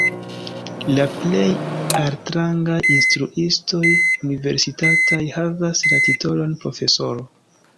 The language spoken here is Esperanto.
La plej altrangaj instruistoj universitataj havas la titolon profesoro.